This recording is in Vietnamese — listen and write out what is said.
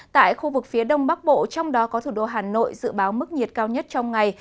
tại khu vực phía đông bắc bộ trong đó có thủ đô hà nội dự báo mức nhiệt cao nhất trong ngày